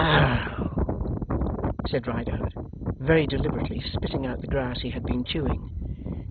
'Oh!' said Riderhood, very deliberately spitting out the grass he had been chewing.